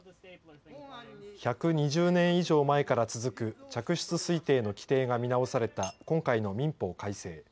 １２０年以上前から続く嫡出推定の規定が見直された今回の民法改正。